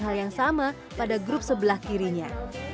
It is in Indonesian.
hal yang sama pada grup sebelah kirinya